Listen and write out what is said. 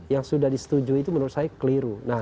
yang sudah disetujui itu menurut saya keliru